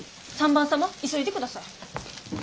３番様急いでください。